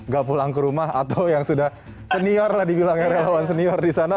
gak pulang ke rumah atau yang sudah senior lah dibilangnya relawan senior di sana